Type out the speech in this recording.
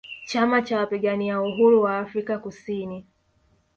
Chama Cha Wapigania Uhuru Wa Afrika Kusini